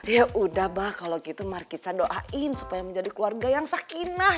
yaudah mbah kalau gitu marquisa doain supaya menjadi keluarga yang sakinah